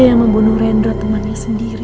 dia yang membunuh rendra temannya sendiri